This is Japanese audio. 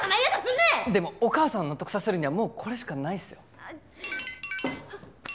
でもお母さんを納得させるにはもうこれしかないっすよ。